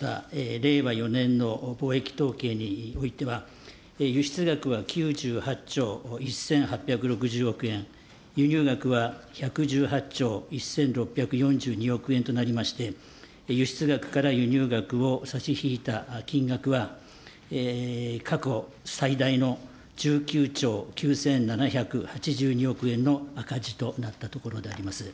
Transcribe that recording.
令和４年の貿易統計においては、輸出額は９８兆１８６０億円、輸入額は１１０兆１６４２億円で、輸出額から輸入額を差し引いた金額は、過去最大の１９兆９７８２おくえんの赤字となったところであります。